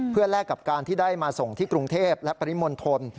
เพื่อแลกกับการที่ได้มาส่งที่กรุงเทพและปริมณฑล